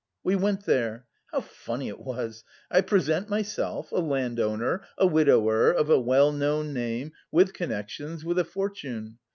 We went there. How funny it was! I present myself a landowner, a widower, of a well known name, with connections, with a fortune.